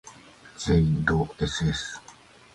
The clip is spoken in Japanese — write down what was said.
ｊ ど ｓｓ